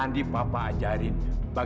nanti papa ajarinnya